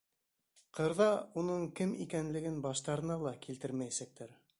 Ҡырҙа уның кем икәнлеген баштарына ла килтермәйәсәктәр.